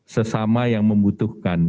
sesama yang membutuhkan